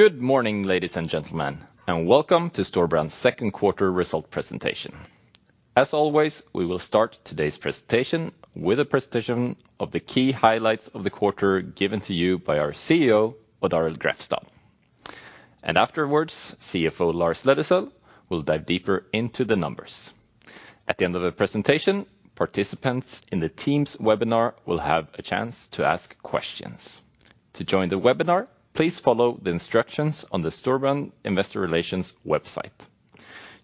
Good morning, ladies and gentlemen, and welcome to Storebrand's second quarter result presentation. As always, we will start today's presentation with a presentation of the key highlights of the quarter given to you by our CEO, Odd Arild Grefstad. Afterwards, CFO Lars Aasulv Løddesøl will dive deeper into the numbers. At the end of the presentation, participants in the Teams webinar will have a chance to ask questions. To join the webinar, please follow the instructions on the Storebrand Investor Relations website.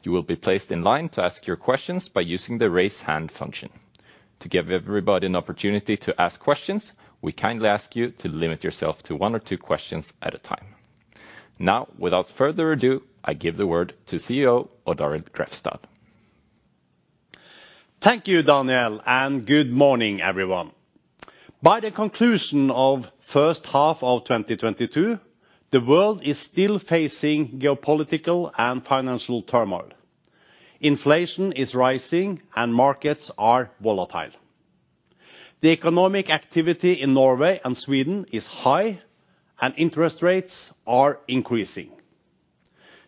You will be placed in line to ask your questions by using the raise hand function. To give everybody an opportunity to ask questions, we kindly ask you to limit yourself to one or two questions at a time. Now, without further ado, I give the word to CEO Odd Arild Grefstad. Thank you, Daniel, and good morning, everyone. By the conclusion of first half of 2022, the world is still facing geopolitical and financial turmoil. Inflation is rising and markets are volatile. The economic activity in Norway and Sweden is high, and interest rates are increasing.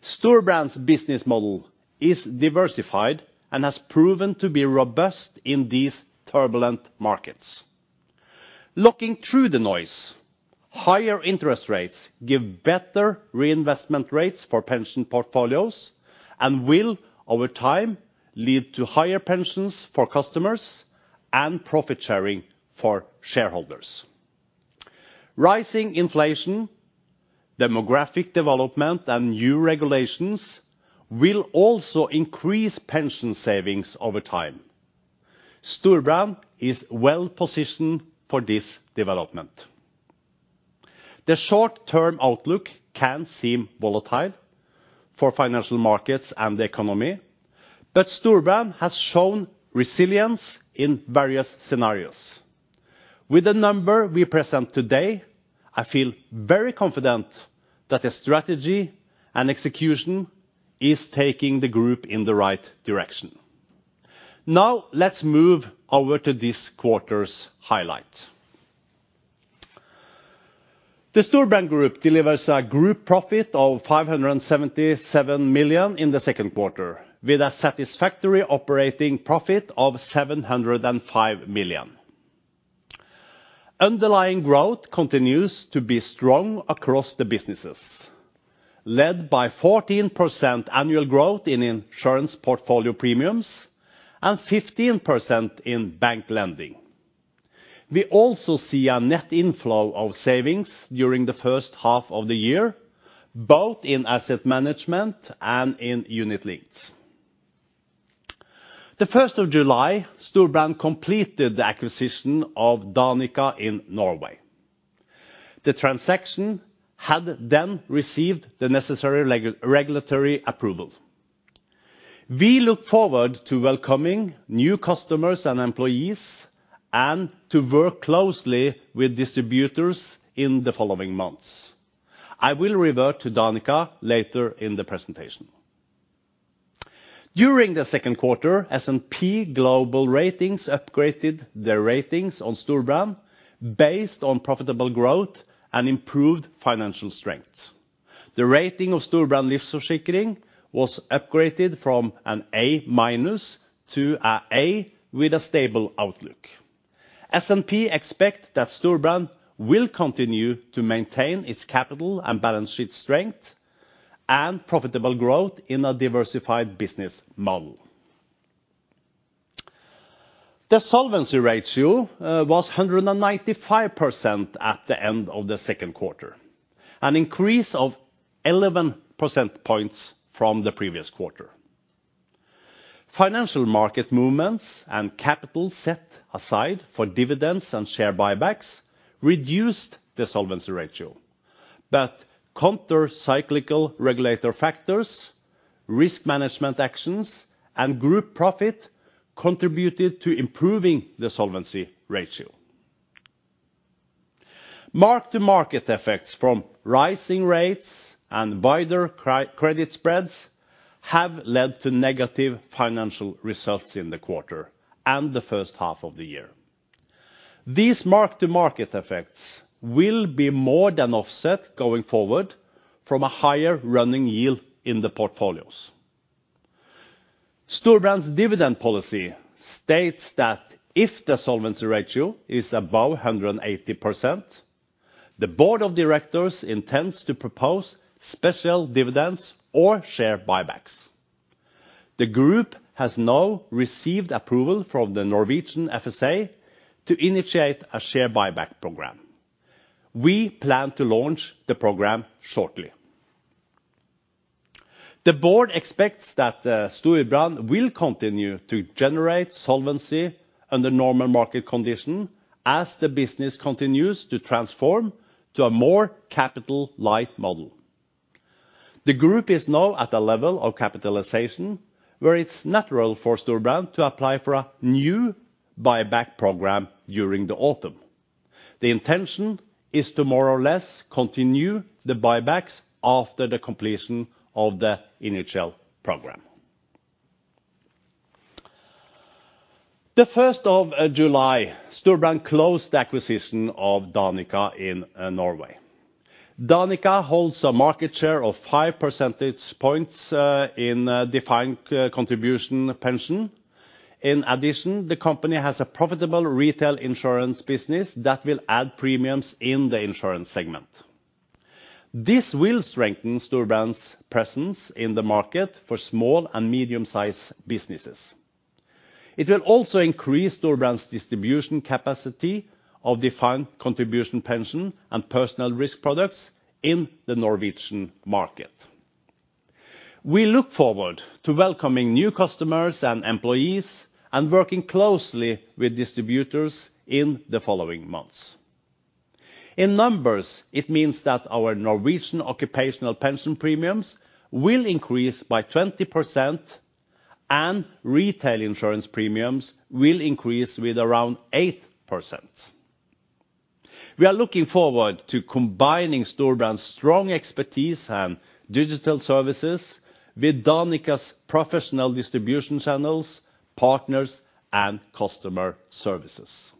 Storebrand's business model is diversified and has proven to be robust in these turbulent markets. Looking through the noise, higher interest rates give better reinvestment rates for pension portfolios and will, over time, lead to higher pensions for customers and profit sharing for shareholders. Rising inflation, demographic development, and new regulations will also increase pension savings over time. Storebrand is well positioned for this development. The short-term outlook can seem volatile for financial markets and the economy, but Storebrand has shown resilience in various scenarios. With the number we present today, I feel very confident that the strategy and execution is taking the group in the right direction. Now, let's move over to this quarter's highlights. The Storebrand Group delivers a group profit of 577 million in the second quarter, with a satisfactory operating profit of 705 million. Underlying growth continues to be strong across the businesses, led by 14% annual growth in insurance portfolio premiums and 15% in bank lending. We also see a net inflow of savings during the first half of the year, both in asset management and in unit-linked. The 1st of July, Storebrand completed the acquisition of Danica in Norway. The transaction had then received the necessary regulatory approval. We look forward to welcoming new customers and employees and to work closely with distributors in the following months. I will revert to Danica later in the presentation. During the second quarter, S&P Global Ratings upgraded their ratings on Storebrand based on profitable growth and improved financial strength. The rating of Storebrand Livsforsikring AS was upgraded from an A- to an A with a stable outlook. S&P expect that Storebrand will continue to maintain its capital and balance sheet strength and profitable growth in a diversified business model. The solvency ratio was 195% at the end of the second quarter, an increase of 11 percentage points from the previous quarter. Financial market movements and capital set aside for dividends and share buybacks reduced the solvency ratio, but counter-cyclical regulator factors, risk management actions, and group profit contributed to improving the solvency ratio. Mark-to-market effects from rising rates and wider credit spreads have led to negative financial results in the quarter and the first half of the year. These mark-to-market effects will be more than offset going forward from a higher running yield in the portfolios. Storebrand's dividend policy states that if the solvency ratio is above 180%, the board of directors intends to propose special dividends or share buybacks. The group has now received approval from the Norwegian FSA to initiate a share buyback program. We plan to launch the program shortly. The board expects that Storebrand will continue to generate solvency under normal market conditions as the business continues to transform to a more capital-light model. The group is now at a level of capitalization where it's natural for Storebrand to apply for a new buyback program during the autumn. The intention is to more or less continue the buybacks after the completion of the initial program. The 1st of July, Storebrand closed the acquisition of Danica in Norway. Danica holds a market share of five percentage points in defined contribution pension. In addition, the company has a profitable retail insurance business that will add premiums in the insurance segment. This will strengthen Storebrand's presence in the market for small and medium sized businesses. It will also increase Storebrand's distribution capacity of defined contribution pension and personal risk products in the Norwegian market. We look forward to welcoming new customers and employees and working closely with distributors in the following months. In numbers, it means that our Norwegian Occupational pension premiums will increase by 20%, and retail insurance premiums will increase with around 8%. We are looking forward to combining Storebrand's strong expertise and digital services with Danica's professional distribution channels, partners, and customer services.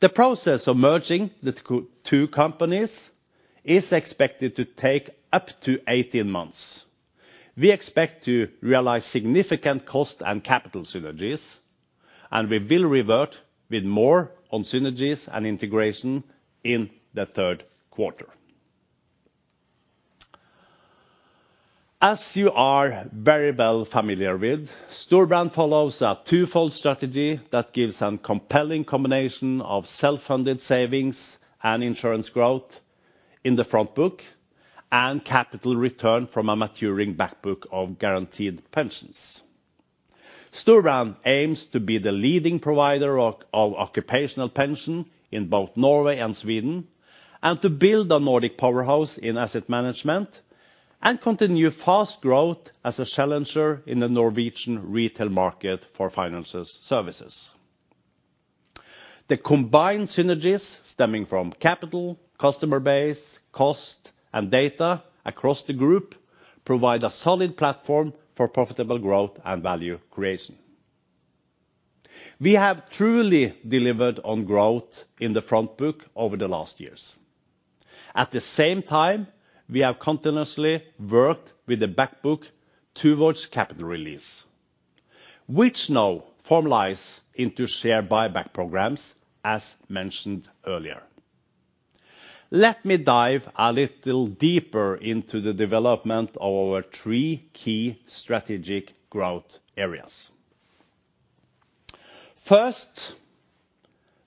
The process of merging the two companies is expected to take up to 18 months. We expect to realize significant cost and capital synergies, and we will revert with more on synergies and integration in the third quarter. As you are very well familiar with, Storebrand follows a twofold strategy that gives a compelling combination of self-funded savings and insurance growth in the front book and capital return from a maturing back book of guaranteed pensions. Storebrand aims to be the leading provider of Occupational pension in both Norway and Sweden, and to build a Nordic powerhouse in asset management, and continue fast growth as a challenger in the Norwegian retail market for financial services. The combined synergies stemming from capital, customer base, cost, and data across the group provide a solid platform for profitable growth and value creation. We have truly delivered on growth in the front book over the last years. At the same time, we have continuously worked with the back book towards capital release, which now formalize into share buyback programs, as mentioned earlier. Let me dive a little deeper into the development of our three key strategic growth areas. First,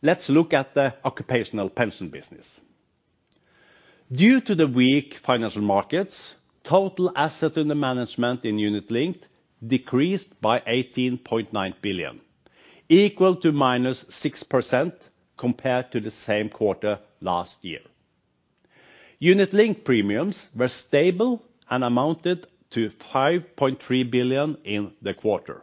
let's look at the Occupational Pension business. Due to the weak financial markets, total assets under management in unit-linked decreased by 18.9 billion, equal to -6% compared to the same quarter last year. Unit-linked premiums were stable and amounted to 5.3 billion in the quarter.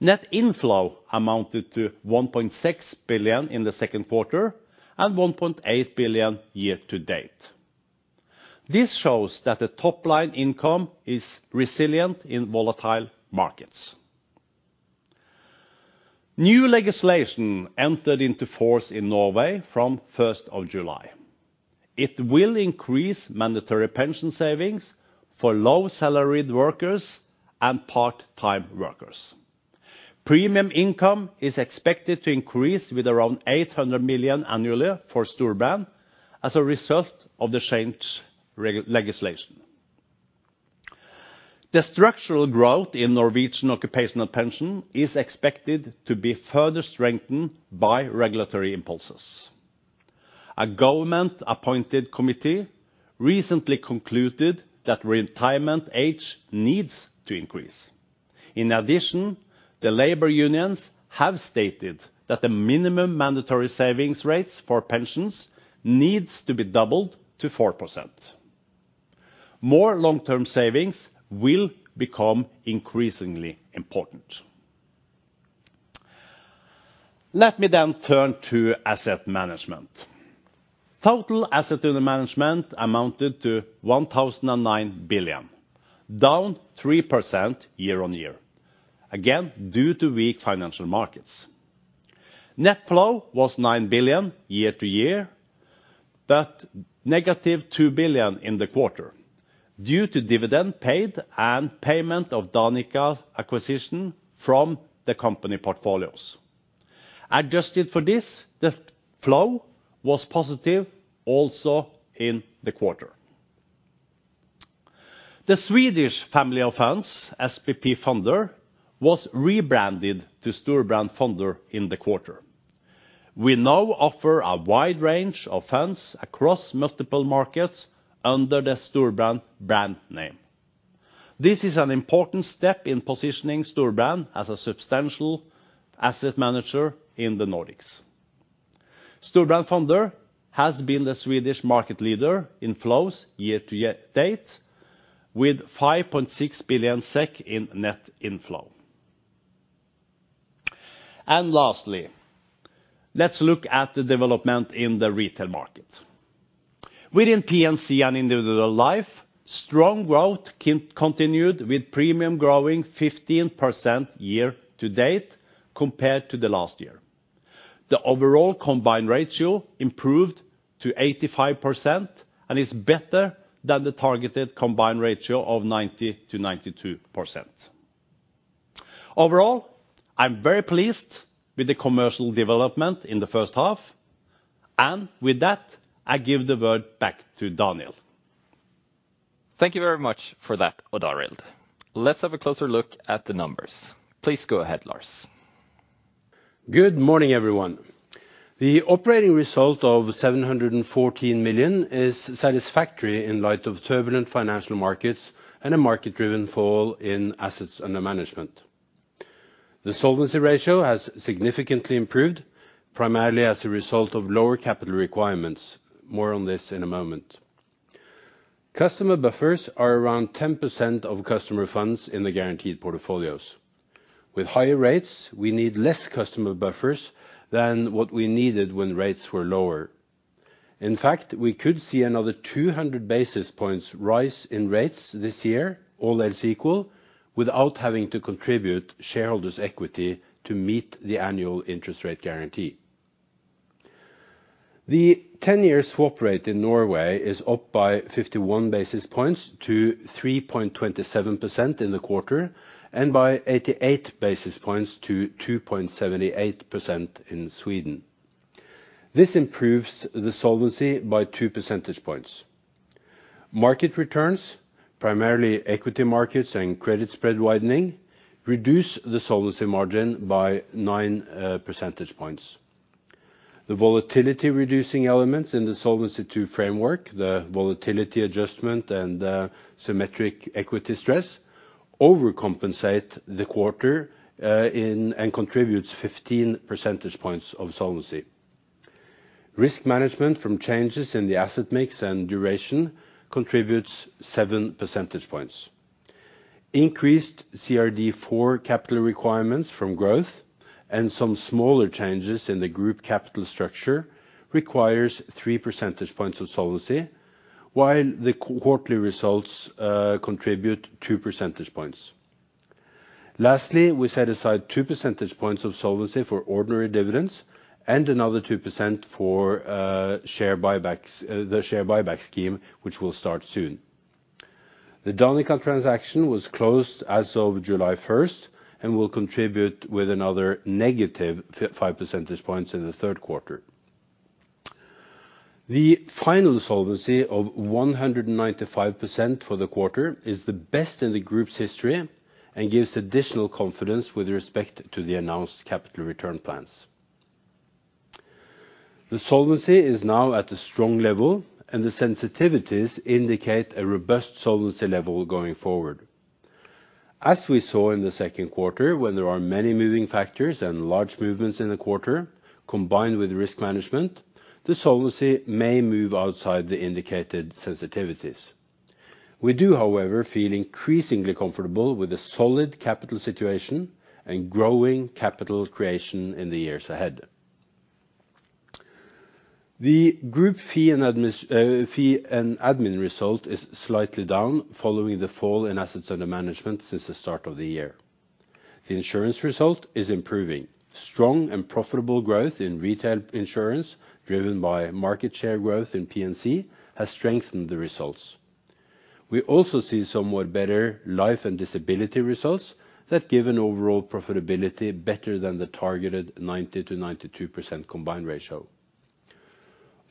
Net inflow amounted to 1.6 billion in the second quarter and 1.8 billion year to date. This shows that the top-line income is resilient in volatile markets. New legislation entered into force in Norway from 1st of July. It will increase mandatory pension savings for low salaried workers and part-time workers. Premium income is expected to increase with around 800 million annually for Storebrand as a result of the change in legislation. The structural growth in Norwegian Occupational Pension is expected to be further strengthened by regulatory impulses. A government appointed committee recently concluded that retirement age needs to increase. In addition, the labor unions have stated that the minimum mandatory savings rates for pensions needs to be doubled to 4%. More long-term savings will become increasingly important. Let me then turn to asset management. Total assets under management amounted to 1,009 billion, down 3% year-on-year, again, due to weak financial markets. Net flow was 9 billion year-on-year, but -2 billion in the quarter due to dividend paid and payment of Danica acquisition from the company portfolios. Adjusted for this, the flow was positive also in the quarter. The Swedish family of funds, SPP Fonder, was rebranded to Storebrand Fonder in the quarter. We now offer a wide range of funds across multiple markets under the Storebrand brand name. This is an important step in positioning Storebrand as a substantial asset manager in the Nordics. Storebrand Fonder has been the Swedish market leader in flows year to date, with 5.6 billion SEK in net inflow. Lastly, let's look at the development in the retail market. Within P&C and individual life, strong growth continued with premium growing 15% year to date compared to the last year. The overall combined ratio improved to 85% and is better than the targeted combined ratio of 90%-92%. Overall, I'm very pleased with the commercial development in the first half. With that, I give the word back to Daniel. Thank you very much for that, Odd Arild. Let's have a closer look at the numbers. Please go ahead, Lars. Good morning, everyone. The operating result of 714 million is satisfactory in light of turbulent financial markets and a market-driven fall in assets under management. The solvency ratio has significantly improved, primarily as a result of lower capital requirements. More on this in a moment. Customer buffers are around 10% of customer funds in the guaranteed portfolios. With higher rates, we need less customer buffers than what we needed when rates were lower. In fact, we could see another 200 basis points rise in rates this year, all else equal, without having to contribute shareholders' equity to meet the annual interest rate guarantee. The ten-year swap rate in Norway is up by 51 basis points to 3.27% in the quarter, and by 88 basis points to 2.78% in Sweden. This improves the solvency by 2 percentage points. Market returns, primarily equity markets and credit spread widening, reduce the solvency margin by nine percentage points. The volatility reducing elements in the Solvency II framework, the volatility adjustment, and the symmetric equity stress overcompensate the quarter and contributes 15 percentage points of solvency. Risk management from changes in the asset mix and duration contributes seven percentage points. Increased CRD IV capital requirements from growth and some smaller changes in the group capital structure requires three percentage points of solvency, while the quarterly results contribute two percentage points. Lastly, we set aside two percentage points of solvency for ordinary dividends and another 2% for share buybacks, the share buyback scheme, which will start soon. The Danica transaction was closed as of July 1st and will contribute with another negative to five percentage points in the third quarter. The final solvency of 195% for the quarter is the best in the group's history and gives additional confidence with respect to the announced capital return plans. The solvency is now at a strong level, and the sensitivities indicate a robust solvency level going forward. As we saw in the second quarter, when there are many moving factors and large movements in the quarter combined with risk management, the solvency may move outside the indicated sensitivities. We do, however, feel increasingly comfortable with a solid capital situation and growing capital creation in the years ahead. The group fee and admin result is slightly down following the fall in assets under management since the start of the year. The insurance result is improving. Strong and profitable growth in retail insurance, driven by market share growth in P&C, has strengthened the results. We also see somewhat better life and disability results that give an overall profitability better than the targeted 90%-92% combined ratio.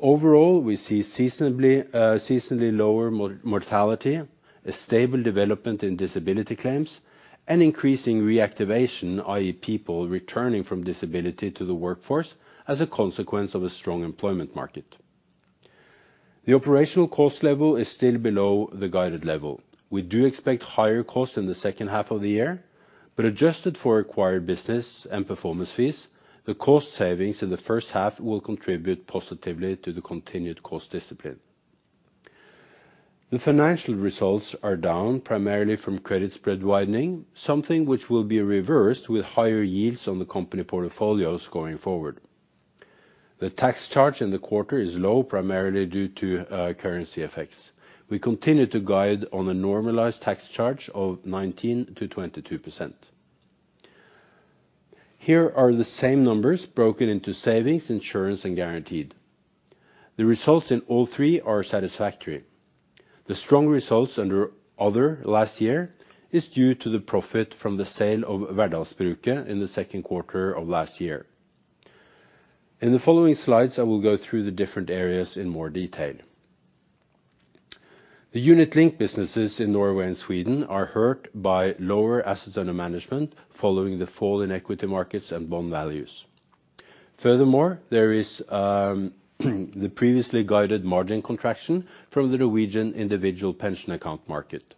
Overall, we see seasonably lower mortality, a stable development in disability claims, and increasing reactivation, i.e., people returning from disability to the workforce as a consequence of a strong employment market. The operational cost level is still below the guided level. We do expect higher costs in the second half of the year, but adjusted for acquired business and performance fees, the cost savings in the first half will contribute positively to the continued cost discipline. The financial results are down primarily from credit spread widening, something which will be reversed with higher yields on the company portfolios going forward. The tax charge in the quarter is low, primarily due to currency effects. We continue to guide on a normalized tax charge of 19%-22%. Here are the same numbers broken into savings, insurance, and guaranteed. The results in all three are satisfactory. The strong results under other last year is due to the profit from the sale of Værdalsbruket in the second quarter of last year. In the following slides, I will go through the different areas in more detail. The unit-linked businesses in Norway and Sweden are hurt by lower assets under management following the fall in equity markets and bond values. Furthermore, there is the previously guided margin contraction from the Norwegian individual pension account market.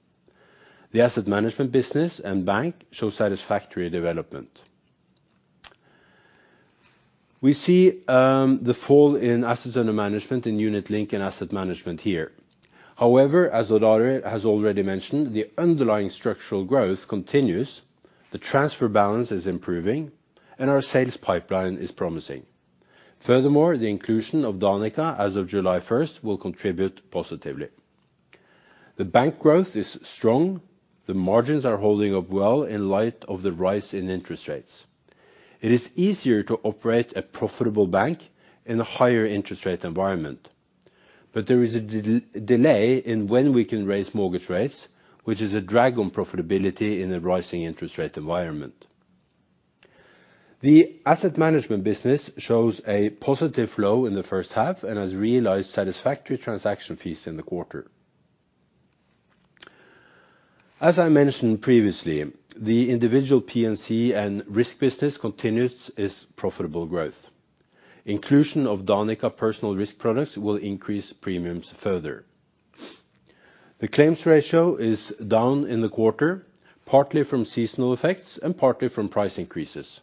The asset management business and bank show satisfactory development. We see the fall in assets under management in unit-linked and asset management here. However, as Odd Arild has already mentioned, the underlying structural growth continues. The transfer balance is improving, and our sales pipeline is promising. Furthermore, the inclusion of Danica as of July 1st will contribute positively. The bank growth is strong, the margins are holding up well in light of the rise in interest rates. It is easier to operate a profitable bank in a higher interest rate environment. There is a delay in when we can raise mortgage rates, which is a drag on profitability in a rising interest rate environment. The asset management business shows a positive flow in the first half and has realized satisfactory transaction fees in the quarter. As I mentioned previously, the individual P&C and risk business continues its profitable growth. Inclusion of Danica personal risk products will increase premiums further. The claims ratio is down in the quarter, partly from seasonal effects and partly from price increases.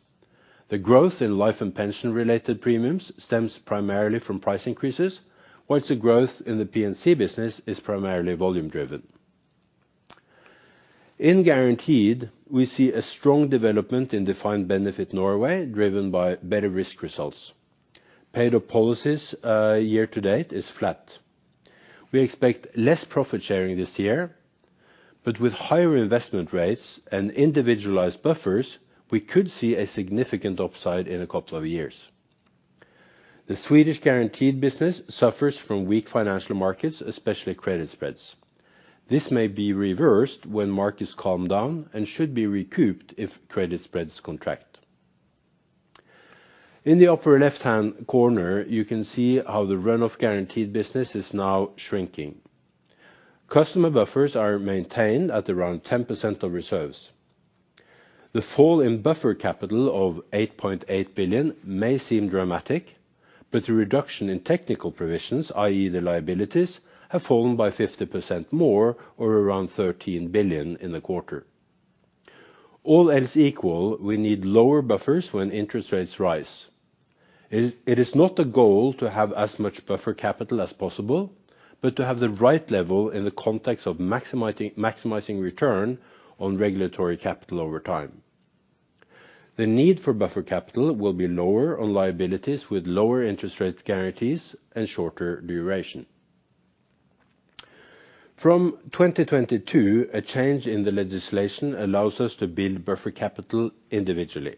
The growth in life and pension related premiums stems primarily from price increases, while the growth in the P&C business is primarily volume driven. In guaranteed, we see a strong development in defined benefit Norway, driven by better risk results. Paid-up policies, year to date is flat. We expect less profit sharing this year, but with higher investment rates and individualized buffers, we could see a significant upside in a couple of years. The Swedish guaranteed business suffers from weak financial markets, especially credit spreads. This may be reversed when markets calm down and should be recouped if credit spreads contract. In the upper left-hand corner, you can see how the run-off guaranteed business is now shrinking. Customer buffers are maintained at around 10% of reserves. The fall in buffer capital of 8.8 billion may seem dramatic, but the reduction in technical provisions, i.e. The liabilities have fallen by 50% more or around 13 billion in the quarter. All else equal, we need lower buffers when interest rates rise. It is not the goal to have as much buffer capital as possible, but to have the right level in the context of maximizing return on regulatory capital over time. The need for buffer capital will be lower on liabilities with lower interest rate guarantees and shorter duration. From 2022, a change in the legislation allows us to build buffer capital individually.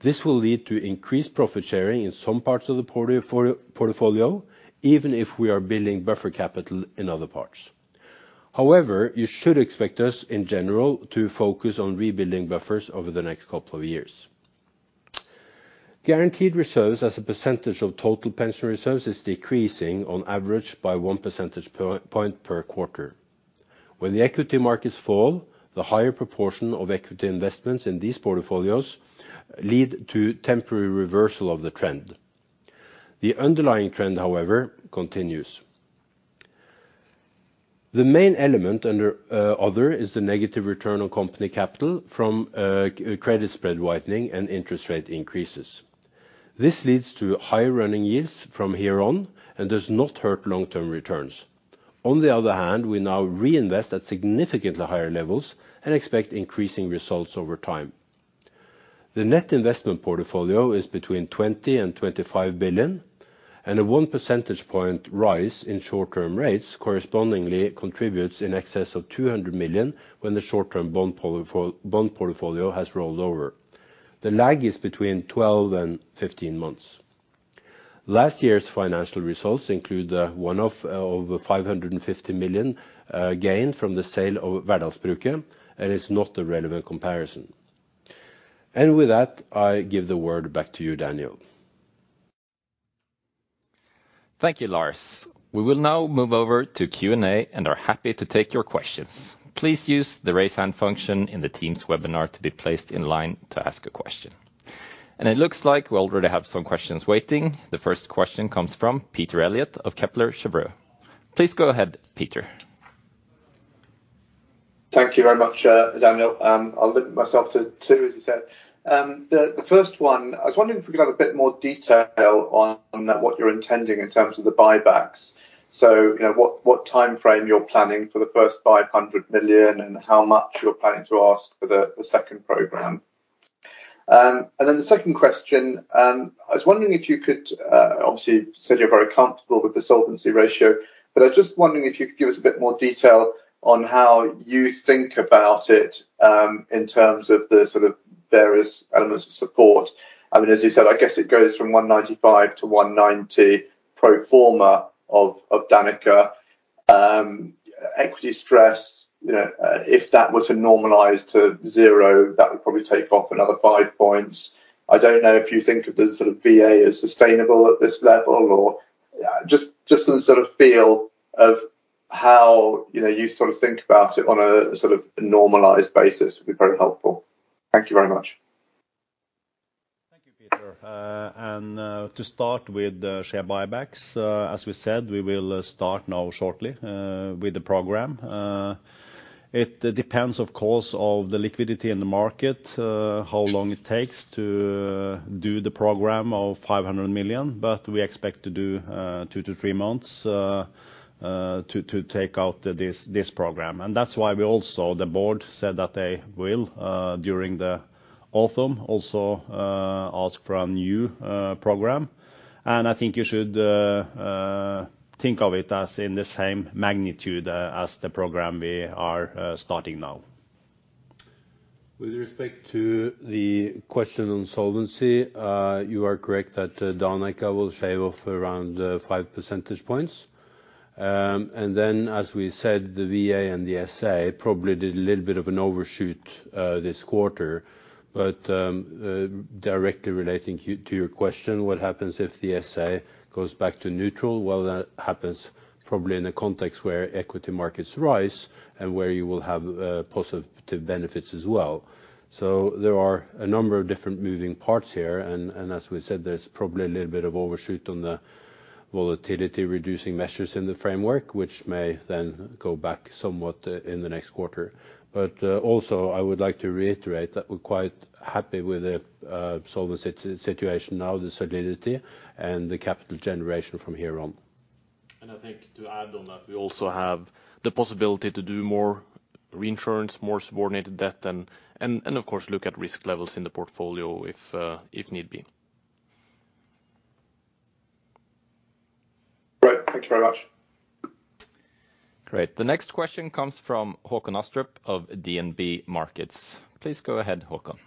This will lead to increased profit sharing in some parts of the portfolio, even if we are building buffer capital in other parts. However, you should expect us, in general, to focus on rebuilding buffers over the next couple of years. Guaranteed reserves as a percentage of total pension reserves is decreasing on average by one percentage point per quarter. When the equity markets fall, the higher proportion of equity investments in these portfolios lead to temporary reversal of the trend. The underlying trend, however, continues. The main element under other is the negative return on company capital from credit spread widening and interest rate increases. This leads to higher running yields from here on and does not hurt long-term returns. On the other hand, we now reinvest at significantly higher levels and expect increasing results over time. The net investment portfolio is between 20 billion-25 billion, and a one percentage point rise in short-term rates correspondingly contributes in excess of 200 million when the short-term bond portfolio has rolled over. The lag is between 12-15 months. Last year's financial results include one-off over 550 million gain from the sale of Værdalsbruket and is not a relevant comparison. With that, I give the word back to you, Daniel. Thank you, Lars. We will now move over to Q&A and are happy to take your questions. Please use the raise hand function in the Teams webinar to be placed in line to ask a question. It looks like we already have some questions waiting. The first question comes from Peter Eliot of Kepler Cheuvreux. Please go ahead, Peter. Thank you very much, Daniel. I'll limit myself to two, as you said. The first one, I was wondering if we could have a bit more detail on what you're intending in terms of the buybacks. You know, what timeframe you're planning for the first 500 million and how much you're planning to ask for the second program. The second question, I was wondering if you could, obviously you said you're very comfortable with the solvency ratio, but I was just wondering if you could give us a bit more detail on how you think about it, in terms of the sort of various elements of support. I mean, as you said, I guess it goes from 195%-190% pro forma of Danica. Equity stress, you know, if that were to normalize to zero, that would probably take off another five points. I don't know if you think of the sort of VA as sustainable at this level or just some sort of feel of how, you know, you sort of think about it on a sort of normalized basis would be very helpful. Thank you very much. Thank you, Peter. To start with the share buybacks, as we said, we will start now shortly, with the program. It depends, of course, on the liquidity in the market, how long it takes to do the program of 500 million. We expect to do 2-3 months to take out this program. That's why the board said that they will, during the autumn, also ask for a new program. I think you should think of it as in the same magnitude as the program we are starting now. With respect to the question on solvency, you are correct that Danica will shave off around five percentage points. Then as we said, the VA and the SA probably did a little bit of an overshoot this quarter. Directly relating to your question, what happens if the SA goes back to neutral? Well, that happens probably in a context where equity markets rise and where you will have positive benefits as well. There are a number of different moving parts here, and as we said, there's probably a little bit of overshoot on the volatility reducing measures in the framework, which may then go back somewhat in the next quarter. Also, I would like to reiterate that we're quite happy with the solvency situation now, the solidity, and the capital generation from here on. I think to add on that, we also have the possibility to do more reinsurance, more subordinated debt, and of course, look at risk levels in the portfolio if need be. Great. Thank you very much. Great. The next question comes from Håkon Astrup of DNB Markets. Please go ahead, Håkon.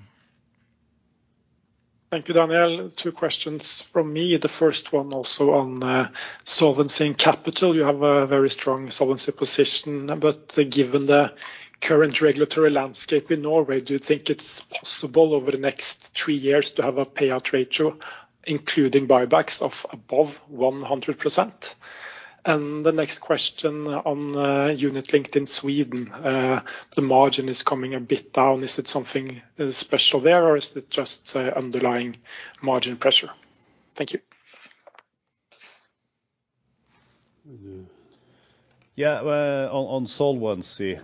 Thank you, Daniel. Two questions from me. The first one also on solvency and capital. You have a very strong solvency position, but given the current regulatory landscape in Norway, do you think it's possible over the next three years to have a payout ratio, including buybacks of above 100%? The next question on unit-linked in Sweden, the margin is coming a bit down. Is it something special there, or is it just underlying margin pressure? Thank you. On solvency,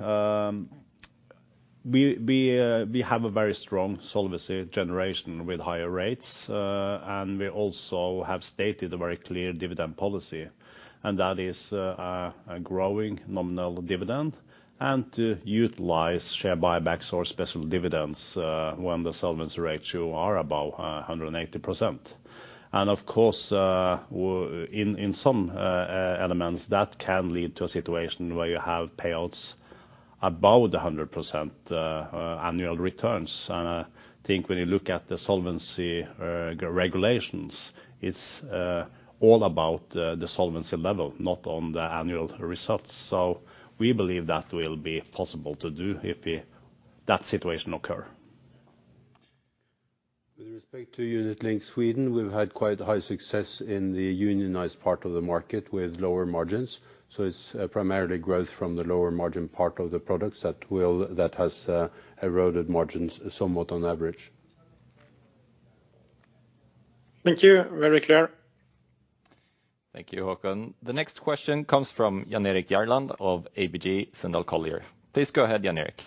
we have a very strong solvency generation with higher rates, and we also have stated a very clear dividend policy, and that is a growing nominal dividend and to utilize share buybacks or special dividends when the solvency ratio are above 100%. Of course, in some elements, that can lead to a situation where you have payouts above the 100% annual returns. I think when you look at the solvency regulations, it's all about the solvency level, not on the annual results. We believe that will be possible to do if that situation occur. With respect to unit-linked Sweden, we've had quite high success in the unionized part of the market with lower margins. It's primarily growth from the lower margin part of the products that has eroded margins somewhat on average. Thank you. Very clear. Thank you, Håkon. The next question comes from Jan Erik Gjerland of ABG Sundal Collier. Please go ahead, Jan Erik.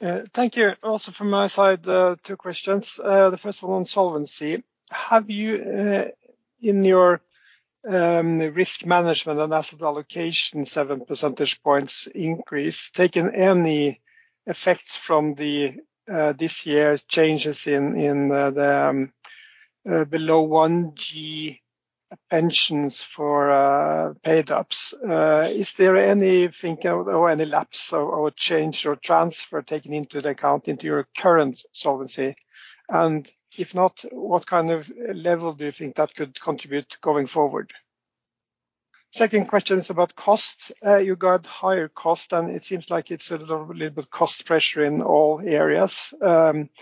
Yeah, thank you. Also from my side, two questions. The first one on solvency. Have you in your risk management and asset allocation 7 percentage points increase taken any effects from this year's changes in the below 1G pensions for paid-ups? Is there anything or any lapse or change or transfer taken into account into your current solvency? And if not, what kind of level do you think that could contribute going forward? Second question is about costs. You got higher cost, and it seems like it's a little bit cost pressure in all areas.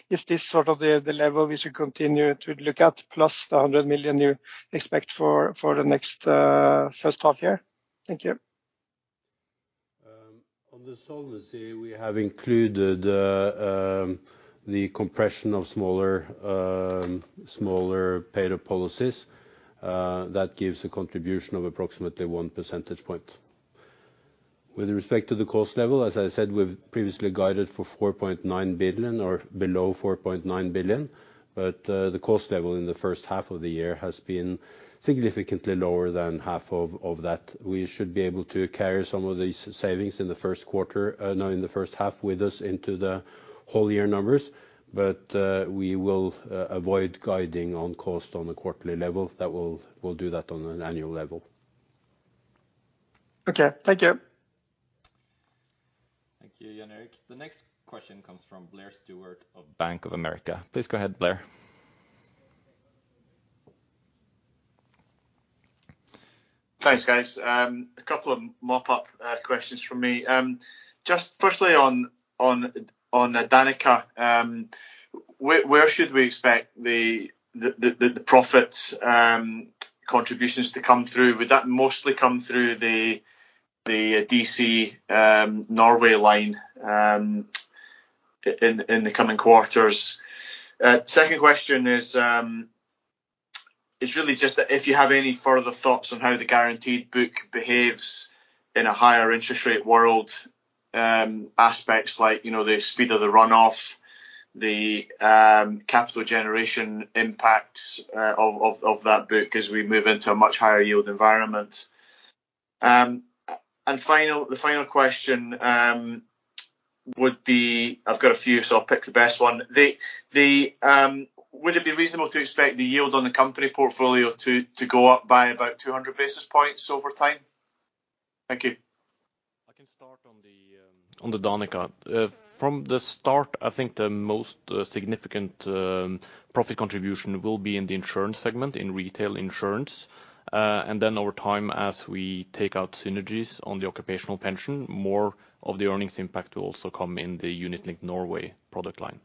Is this sort of the level we should continue to look at plus the 100 million you expect for the next first half year? Thank you. On the solvency, we have included the compression of smaller paid-up policies. That gives a contribution of approximately 1 percentage point. With respect to the cost level, as I said, we've previously guided for 4.9 billion or below 4.9 billion, but the cost level in the first half of the year has been significantly lower than half of that. We should be able to carry some of these savings in the first quarter, now in the first half with us into the whole year numbers. We will avoid guiding on cost on the quarterly level. That we'll do that on an annual level. Okay. Thank you. Thank you, Jan Erik. The next question comes from Blair Stewart of Bank of America. Please go ahead, Blair. Thanks, guys. A couple of mop-up questions from me. Just firstly on Danica, where should we expect the profits contributions to come through? Would that mostly come through the DC Norway line in the coming quarters? Second question is, It's really just that if you have any further thoughts on how the guaranteed book behaves in a higher interest rate world, aspects like, you know, the speed of the runoff, the capital generation impacts of that book as we move into a much higher yield environment. The final question would be, I've got a few, so I'll pick the best one. Would it be reasonable to expect the yield on the company portfolio to go up by about 200 basis points over time? Thank you. I can start on the Danica. From the start, I think the most significant profit contribution will be in the insurance segment, in retail insurance. Over time, as we take out synergies on the Occupational Pension, more of the earnings impact will also come in the unit-linked Norway product line.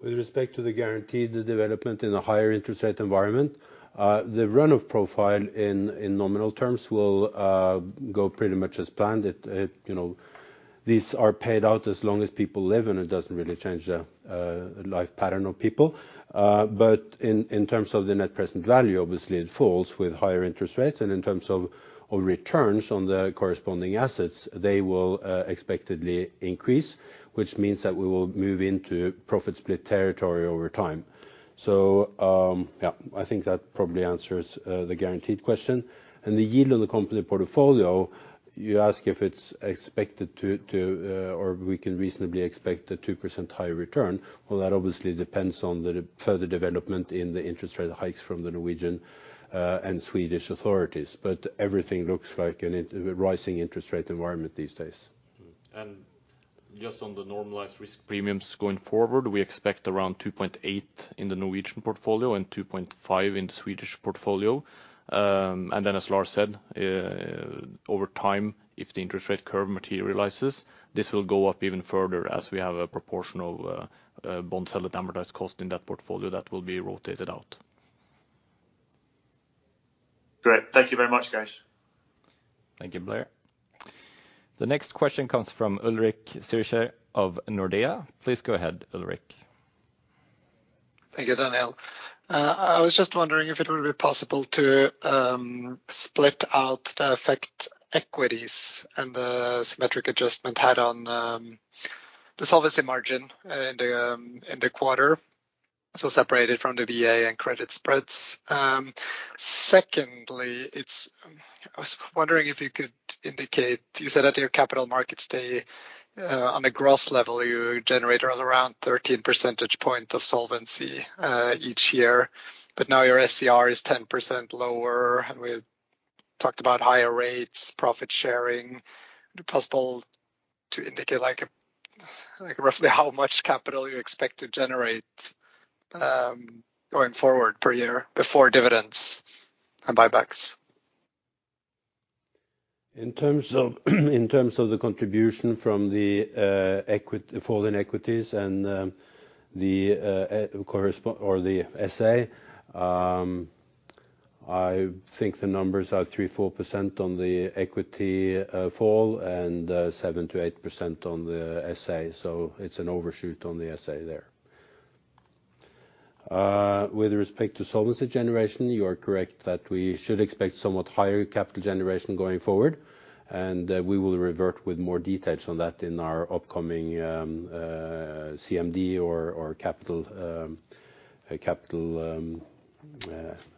With respect to the guaranteed development in the higher interest rate environment, the run-off profile in nominal terms will go pretty much as planned. You know, these are paid out as long as people live, and it doesn't really change the lifespan of people. But in terms of the net present value, obviously it falls with higher interest rates. In terms of returns on the corresponding assets, they will expectedly increase, which means that we will move into profit split territory over time. Yeah, I think that probably answers the guaranteed question. The yield on the company portfolio, you ask if it's expected to or we can reasonably expect a 2% higher return. Well, that obviously depends on the further development in the interest rate hikes from the Norwegian and Swedish authorities. Everything looks like in a rising interest rate environment these days. Just on the normalized risk premiums going forward, we expect around 2.8% in the Norwegian portfolio and 2.5% in the Swedish portfolio. As Lars said, over time, if the interest rate curve materializes, this will go up even further as we have a proportion of bonds held at amortized cost in that portfolio that will be rotated out. Great. Thank you very much, guys. Thank you, Blair. The next question comes from Ulrik Årdal Zürcher of Nordea. Please go ahead, Ulrik. Thank you, Daniel. I was just wondering if it would be possible to split out the effect equities and the symmetric adjustment had on the solvency margin in the quarter, so separated from the VA and credit spreads. Secondly, I was wondering if you could indicate, you said at your capital markets day, on a gross level, you generate around 13 percentage point of solvency each year. Now your SCR is 10% lower. We talked about higher rates, profit sharing. Would it be possible to indicate like roughly how much capital you expect to generate going forward per year before dividends and buybacks? In terms of the contribution from the equity, foreign equities and the core or the SA, I think the numbers are 3%-4% on the equity fall and 7%-8% on the SA. It's an overshoot on the SA there. With respect to solvency generation, you are correct that we should expect somewhat higher capital generation going forward, and we will revert with more details on that in our upcoming CMD or capital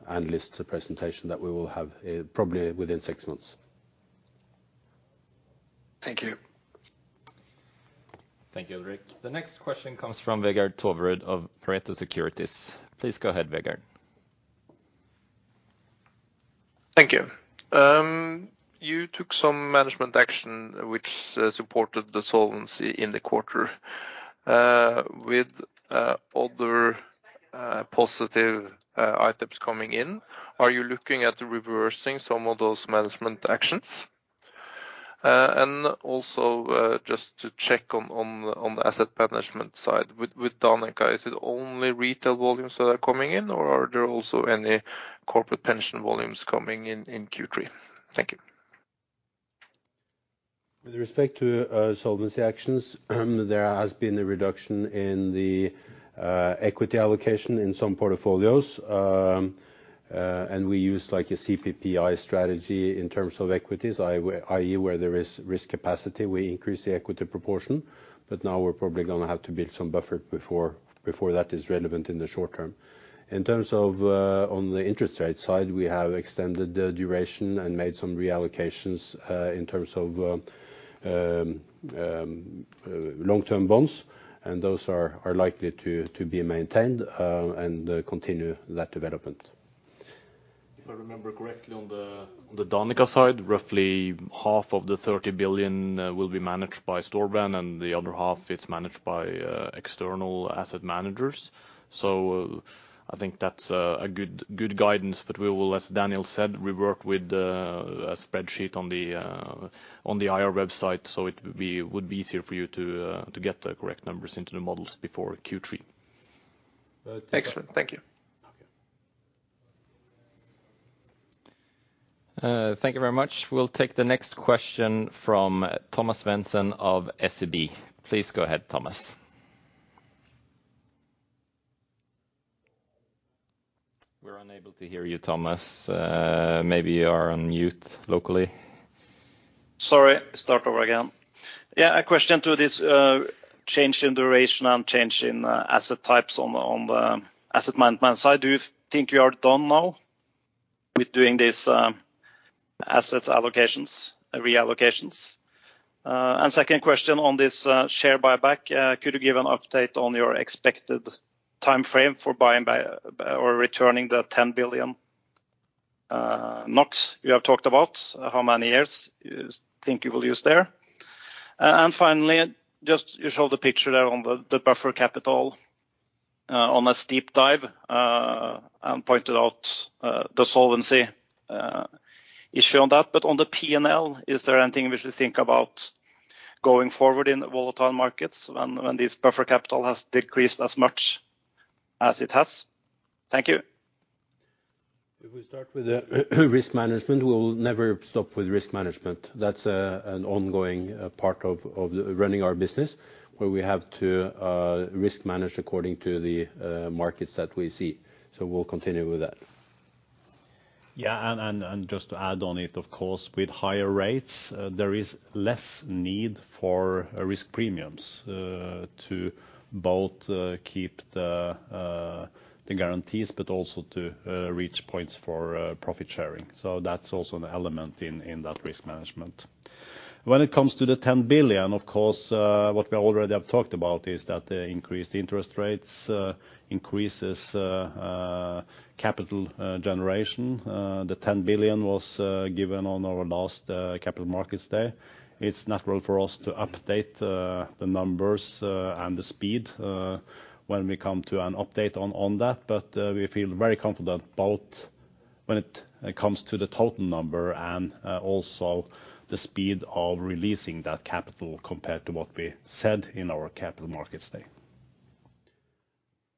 analyst presentation that we will have probably within six months. Thank you. Thank you, Ulrik. The next question comes from Vegard Toverud of Pareto Securities. Please go ahead, Vegard. Thank you. You took some management action which supported the solvency in the quarter. With other positive items coming in, are you looking at reversing some of those management actions? Also, just to check on the asset management side, with Danica, is it only retail volumes that are coming in, or are there also any corporate pension volumes coming in in Q3? Thank you. With respect to solvency actions, there has been a reduction in the equity allocation in some portfolios. We use like a CPPI strategy in terms of equities, i.e. where there is risk capacity, we increase the equity proportion, but now we're probably gonna have to build some buffer before that is relevant in the short term. In terms of on the interest rate side, we have extended the duration and made some reallocations in terms of long-term bonds, and those are likely to be maintained and continue that development. If I remember correctly, on the Danica side, roughly half of the 30 billion will be managed by Storebrand, and the other half it's managed by external asset managers. I think that's a good guidance. We will, as Daniel said, work with a spreadsheet on the IR website, so would be easier for you to get the correct numbers into the models before Q3. Excellent. Thank you. Thank you very much. We'll take the next question from Thomas Svendsen of SEB. Please go ahead, Thomas. We're unable to hear you, Thomas. Maybe you are on mute locally. A question to this change in duration and change in asset types on the asset management side. Do you think you are done now with doing this asset allocations, reallocations? Second question on this share buyback. Could you give an update on your expected timeframe for buying back or returning the 10 billion NOK you have talked about? How many years you think you will use there? Finally, just you showed a picture there on the buffer capital on a steep dive and pointed out the solvency issue on that. But on the P&L, is there anything we should think about going forward in volatile markets when this buffer capital has decreased as much as it has? Thank you. If we start with the risk management, we will never stop with risk management. That's an ongoing part of running our business, where we have to risk manage according to the markets that we see. We'll continue with that. Yeah. Just to add on it, of course, with higher rates, there is less need for risk premiums to both keep the guarantees, but also to reach points for profit sharing. That's also an element in that risk management. When it comes to the 10 billion, of course, what we already have talked about is that the increased interest rates increases capital generation. The 10 billion was given on our last capital markets day. It's natural for us to update the numbers and the speed when we come to an update on that. We feel very confident about when it comes to the total number and also the speed of releasing that capital compared to what we said in our Capital Markets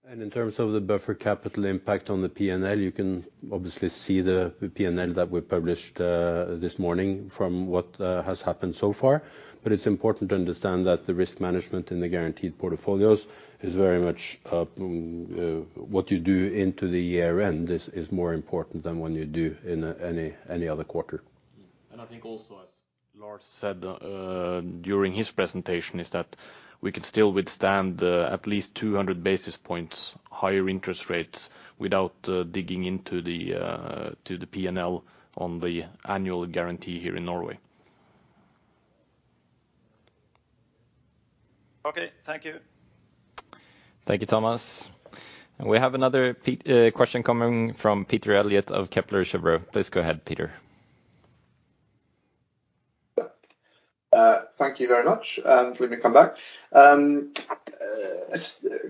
Day. In terms of the buffer capital impact on the P&L, you can obviously see the P&L that we published this morning from what has happened so far. It's important to understand that the risk management in the guaranteed portfolios is very much what you do into the year end is more important than what you do in any other quarter. I think also, as Lars said, during his presentation, is that we can still withstand at least 200 basis points higher interest rates without digging into the P&L on the annual guarantee here in Norway. Okay. Thank you. Thank you, Thomas. We have another question coming from Peter Eliot of Kepler Cheuvreux. Please go ahead, Peter. Thank you very much, and welcome back. A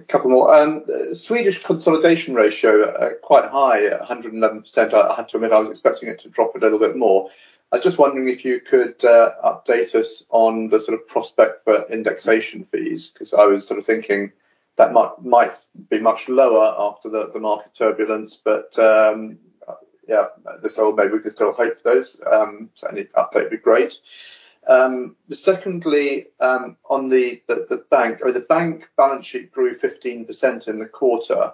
couple more. Swedish consolidation ratio are quite high at 111%. I have to admit, I was expecting it to drop a little bit more. I was just wondering if you could update us on the sort of prospect for indexation fees, because I was sort of thinking that might be much lower after the market turbulence. Yeah, this whole maybe we could still hope for those. Any update be great. Secondly, on the bank. The bank balance sheet grew 15% in the quarter.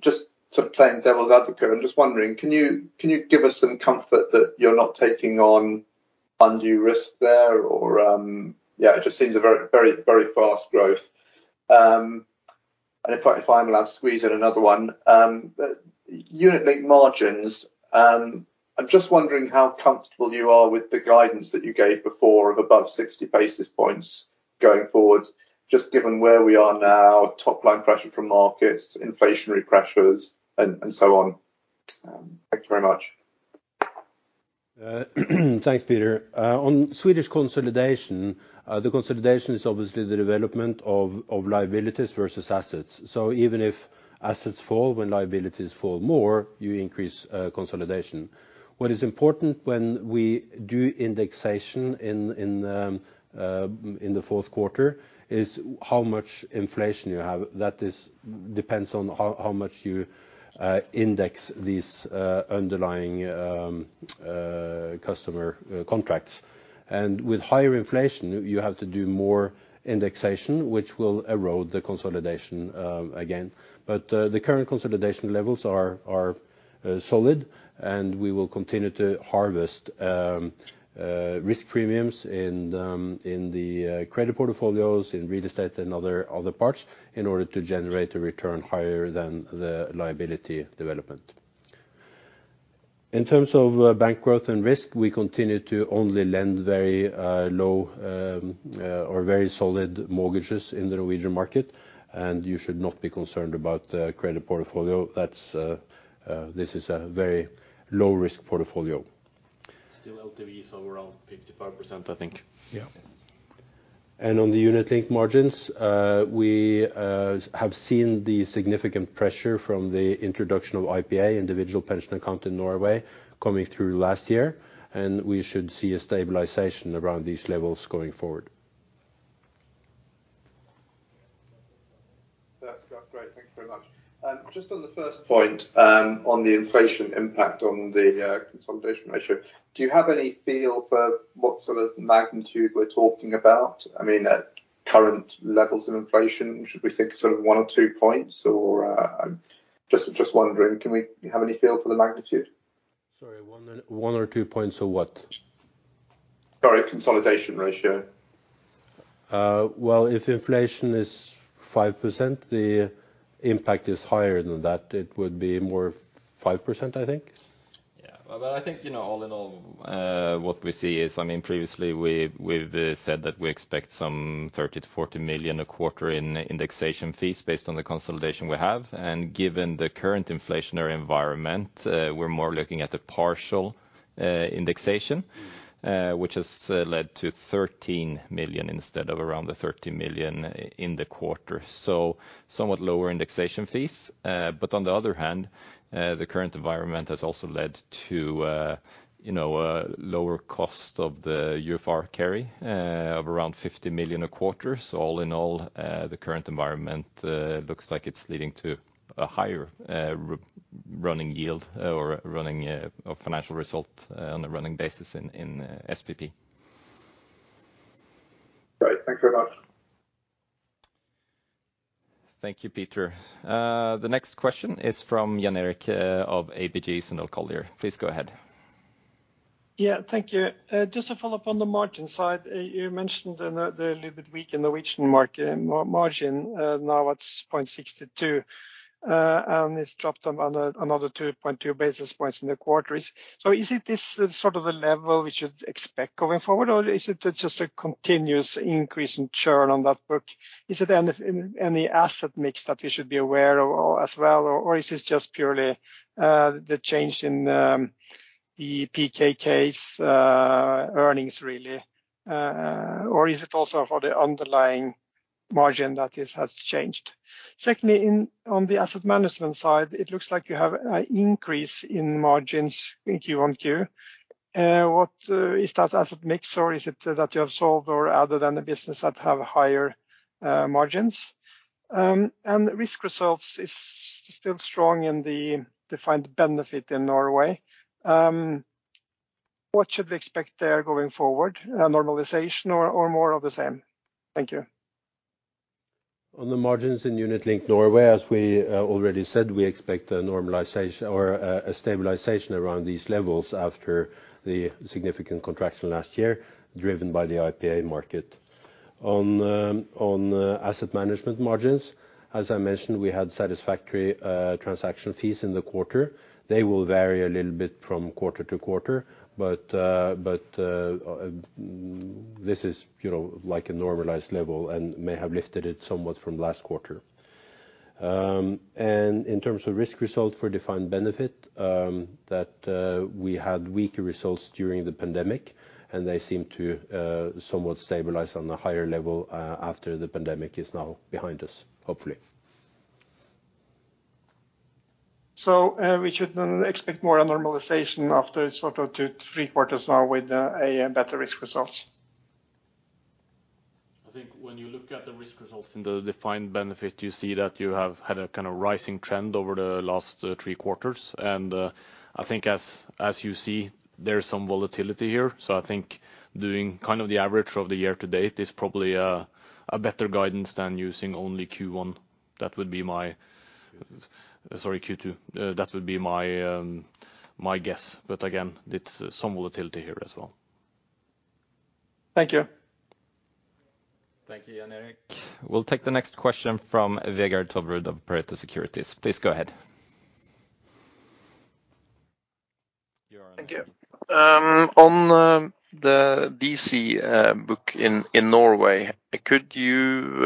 Just sort of playing devil's advocate, I'm just wondering, can you give us some comfort that you're not taking on undue risk there or, yeah, it just seems a very fast growth. If I'm allowed to squeeze in another one. Unit-linked margins, I'm just wondering how comfortable you are with the guidance that you gave before of above 60 basis points going forward, just given where we are now, top line pressure from markets, inflationary pressures and so on. Thank you very much. Thanks, Peter. On Swedish consolidation, the consolidation is obviously the development of liabilities versus assets. Even if assets fall, when liabilities fall more, you increase consolidation. What is important when we do indexation in the fourth quarter is how much inflation you have. That depends on how much you index these underlying customer contracts. With higher inflation, you have to do more indexation, which will erode the consolidation again. The current consolidation levels are solid, and we will continue to harvest risk premiums in the credit portfolios, in real estate and other parts in order to generate a return higher than the liability development. In terms of bank growth and risk, we continue to only lend very low or very solid mortgages in the Norwegian market, and you should not be concerned about the credit portfolio. This is a very low risk portfolio. Still LTVs overall 55%, I think. Yeah. On the unit-linked margins, we have seen the significant pressure from the introduction of IPA, individual pension account in Norway coming through last year, and we should see a stabilization around these levels going forward. Great. Thank you very much. Just on the first point, on the inflation impact on the consolidation ratio, do you have any feel for what sort of magnitude we're talking about? I mean, at current levels of inflation, should we think sort of one or two points? Just wondering, can we have any feel for the magnitude? Sorry, one or two points of what? Sorry, consolidation ratio. Well, if inflation is 5%, the impact is higher than that. It would be more 5%, I think. I think, you know, all in all, what we see is, I mean previously we've said that we expect some 30 million-40 million a quarter in indexation fees based on the consolidation we have. Given the current inflationary environment, we're more looking at the partial indexation, which has led to 13 million instead of around the 30 million in the quarter. Somewhat lower indexation fees. But on the other hand, the current environment has also led to, you know, lower cost of the UFR carry, of around 50 million a quarter. All in all, the current environment looks like it's leading to a higher running yield or running or financial result on a running basis in SPP. Great. Thanks very much. Thank you, Peter Eliot. The next question is from Jan Erik Gjerland, of ABG Sundal Collier. Please go ahead. Yeah, thank you. Just to follow up on the margin side, you mentioned the little bit weak in the retention margin. Now it's 0.62%, and it's dropped another 2.2 basis points in the quarter. Is it this sort of a level we should expect going forward, or is it just a continuous increase in churn on that book? Is it any asset mix that we should be aware of as well, or is this just purely the change in the P&L earnings really, or is it also for the underlying margin that has changed? Secondly, on the asset management side, it looks like you have an increase in margins in Q-on-Q. What is that asset mix or is it that you have sold or other than the business that have higher margins? Risk results is still strong in the defined benefit in Norway. What should we expect there going forward? Normalization or more of the same? Thank you. On the margins in unit-linked Norway, as we already said, we expect a normalization or a stabilization around these levels after the significant contraction last year driven by the IPA market. On asset management margins, as I mentioned, we had satisfactory transaction fees in the quarter. They will vary a little bit from quarter to quarter, but this is, you know, like a normalized level and may have lifted it somewhat from last quarter. In terms of risk result for defined benefit, that we had weaker results during the pandemic, and they seem to somewhat stabilize on a higher level after the pandemic is now behind us, hopefully. We should then expect more a normalization after sort of two to three quarters now with a better risk results. I think when you look at the risk results in the defined benefit, you see that you have had a kind of rising trend over the last three quarters. I think as you see, there is some volatility here. I think doing kind of the average of the year to date is probably a better guidance than using only Q1. Sorry, Q2. That would be my guess. Again, it's some volatility here as well. Thank you. Thank you, Jan Erik Gjerland. We'll take the next question from Vegard Toverud of Pareto Securities. Please go ahead. Thank you. On the DC book in Norway, could you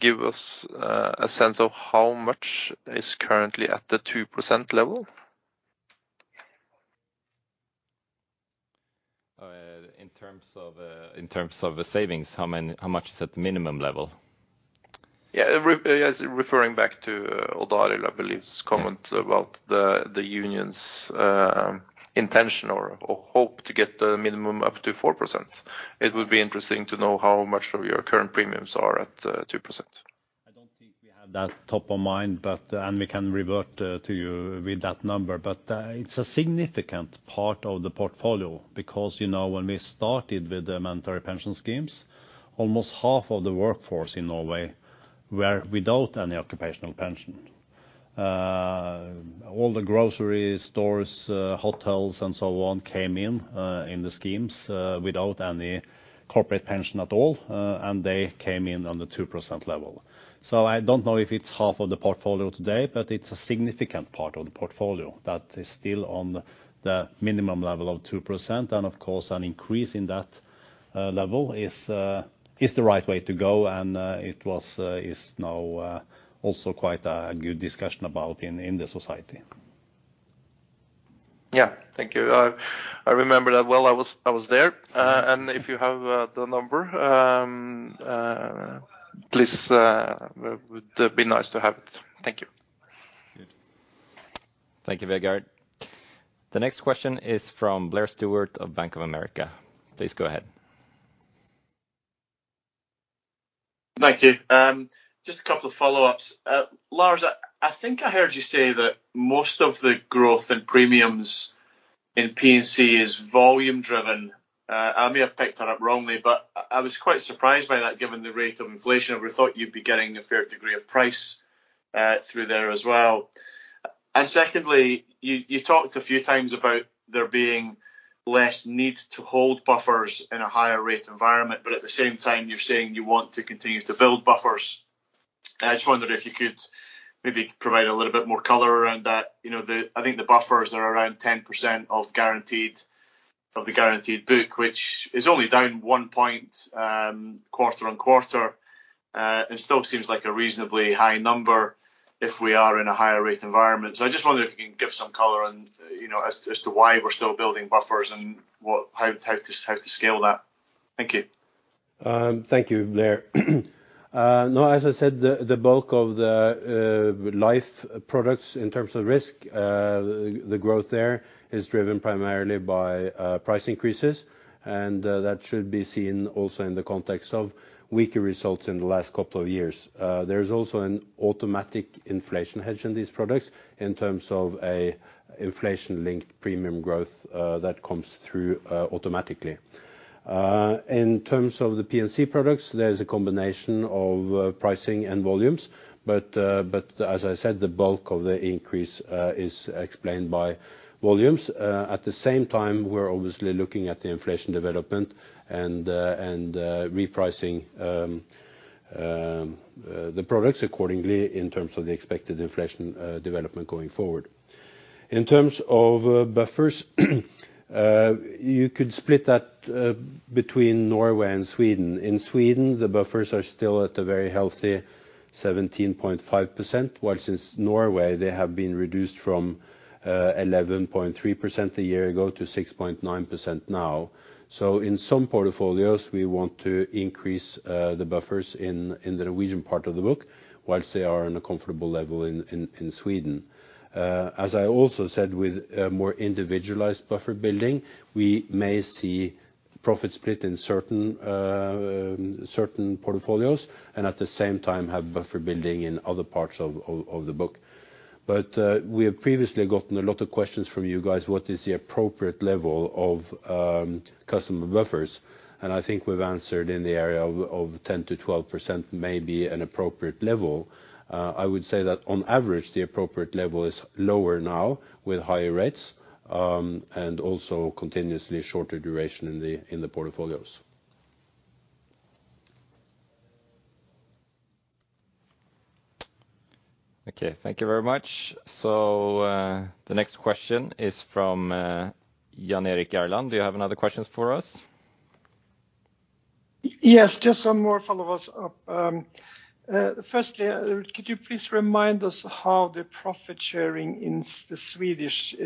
give us a sense of how much is currently at the 2% level? In terms of the savings, how much is at the minimum level? Referring back to Odd Arild, I believe, comment about the union's intention or hope to get the minimum up to 4%. It would be interesting to know how much of your current premiums are at 2%. I don't think we have that top of mind, but we can revert to you with that number. It's a significant part of the portfolio because, you know, when we started with the mandatory pension schemes, almost half of the workforce in Norway were without any Occupational pension. All the grocery stores, hotels and so on came in in the schemes without any corporate pension at all, and they came in on the 2% level. I don't know if it's half of the portfolio today, but it's a significant part of the portfolio that is still on the minimum level of 2%. Of course, an increase in that level is the right way to go. It is now also quite a good discussion about in the society. Yeah. Thank you. I remember that well. I was there. If you have the number, please, it would be nice to have it. Thank you. Thank you, Vegard. The next question is from Blair Stewart of Bank of America. Please go ahead. Thank you. Just a couple of follow-ups. Lars, I think I heard you say that most of the growth in premiums in P&C is volume driven. I may have picked that up wrongly, but I was quite surprised by that given the rate of inflation. We thought you'd be getting a fair degree of price through there as well. Secondly, you talked a few times about there being less need to hold buffers in a higher rate environment, but at the same time, you're saying you want to continue to build buffers. I just wondered if you could maybe provide a little bit more color around that? You know, I think the buffers are around 10% of guaranteed, of the guaranteed book, which is only down one point quarter-on-quarter, and still seems like a reasonably high number if we are in a higher rate environment. I just wonder if you can give some color on, you know, as to why we're still building buffers, and how to scale that. Thank you. Thank you, Blair. No, as I said, the bulk of the life products in terms of risk, the growth there is driven primarily by price increases, and that should be seen also in the context of weaker results in the last couple of years. There is also an automatic inflation hedge in these products in terms of an inflation-linked premium growth that comes through automatically. In terms of the P&C products, there is a combination of pricing and volumes, but as I said, the bulk of the increase is explained by volumes. At the same time, we're obviously looking at the inflation development and repricing the products accordingly in terms of the expected inflation development going forward. In terms of buffers, you could split that between Norway and Sweden. In Sweden, the buffers are still at a very healthy 17.5%, while in Norway, they have been reduced from 11.3% a year ago to 6.9% now. In some portfolios, we want to increase the buffers in the Norwegian part of the book, while they are on a comfortable level in Sweden. As I also said, with a more individualized buffer building, we may see profit split in certain portfolios and at the same time have buffer building in other parts of the book. We have previously gotten a lot of questions from you guys, what is the appropriate level of customer buffers? I think we've answered in the area of 10%-12% may be an appropriate level. I would say that on average, the appropriate level is lower now with higher rates, and also continuously shorter duration in the portfolios. Okay, thank you very much. The next question is from Jan Erik Gjerland. Do you have another questions for us? Yes, just some more follow-ups. Firstly, could you please remind us how the profit sharing in the Swedish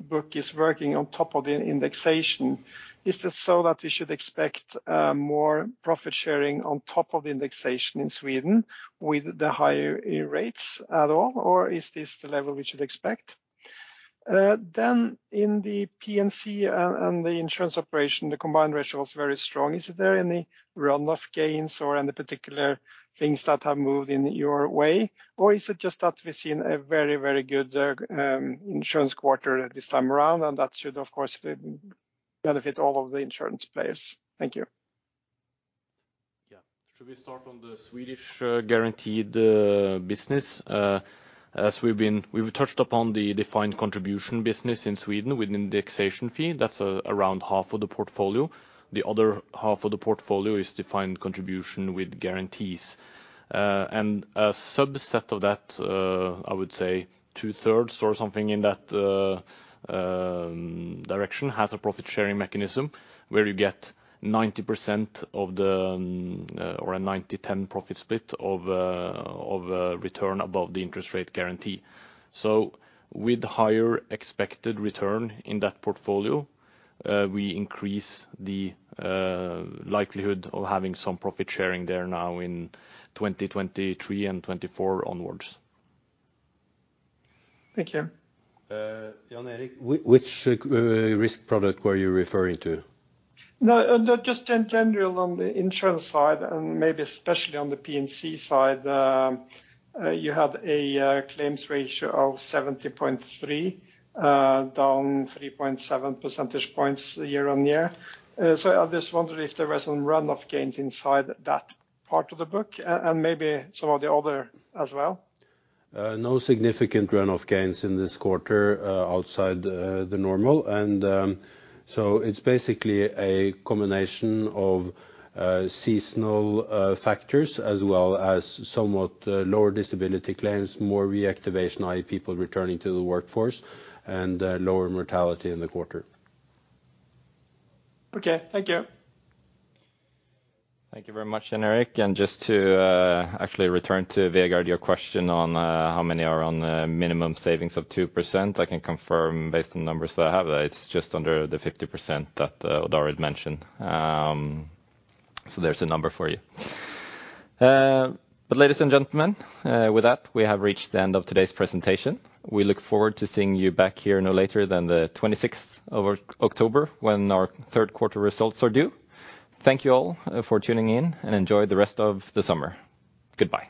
book is working on top of the indexation? Is that so that we should expect more profit sharing on top of indexation in Sweden with the higher rates at all or is this the level we should expect? Then in the P&C and the insurance operation, the combined ratio was very strong. Is there any run-off gains or any particular things that have moved in your way? Or is it just that we've seen a very good insurance quarter this time around, and that should, of course, benefit all of the insurance players? Thank you. Yeah. Should we start on the Swedish guaranteed business? As we've touched upon the defined contribution business in Sweden with indexation fee. That's around half of the portfolio. The other half of the portfolio is defined contribution with guarantees. A subset of that, I would say 2/3 or something in that direction has a profit-sharing mechanism where you get 90% of the or a 90/10 profit split of return above the interest rate guarantee. With higher expected return in that portfolio, we increase the likelihood of having some profit sharing there now in 2023 and 2024 onwards. Thank you. Jan Erik, which risk product were you referring to? No, just in general on the insurance side and maybe especially on the P&C side, you have a claims ratio of 70.3%, down 3.7 percentage points year-over-year. I just wondered if there was some run-off gains inside that part of the book and maybe some of the other as well. No significant run of gains in this quarter outside the normal. So it's basically a combination of seasonal factors as well as somewhat lower disability claims, more reactivation i.e. people returning to the workforce, and lower mortality in the quarter. Okay, thank you. Thank you very much, Jan Erik. Just to actually return to Vegard your question on how many are on the minimum savings of 2%, I can confirm based on numbers that I have that it's just under the 50% that Odd Arild mentioned. There's a number for you. Ladies and gentlemen, with that, we have reached the end of today's presentation. We look forward to seeing you back here no later than the 26th of October when our third quarter results are due. Thank you all for tuning in, and enjoy the rest of the summer. Goodbye.